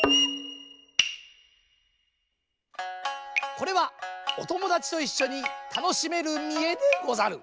これはおともだちといっしょにたのしめる見得でござる。